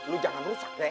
lu jangan rusak deh